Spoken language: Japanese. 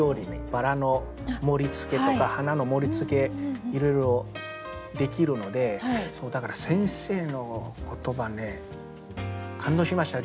バラの盛りつけとか花の盛りつけいろいろできるのでだから先生の言葉ね感動しました。